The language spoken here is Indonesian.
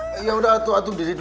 kakak apa saya kan pengen ke toilet